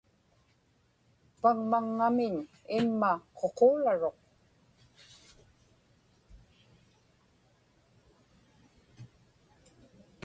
paŋmaŋŋamiñ imma ququularuq